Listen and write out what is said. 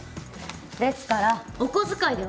ですからお小遣いでは。